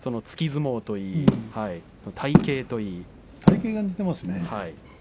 突き相撲といい体形といい。